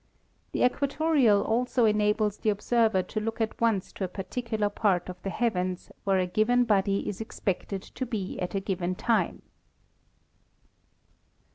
The equatorial also enables the observer to look at once to a particular part of the heavens where a given body is expected to be at a given time.